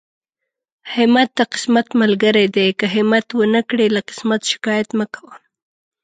همت د قسمت ملګری دی، که همت ونکړې له قسمت شکايت مکوه.